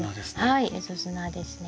はい蝦夷砂ですね。